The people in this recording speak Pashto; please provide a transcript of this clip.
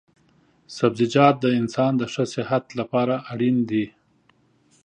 سبزيجات د انسان د ښه صحت لپاره اړين دي